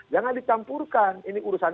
jangan ditampurkan ini urusan